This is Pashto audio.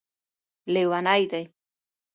لیوني دی